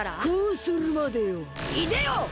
こうするまでよ！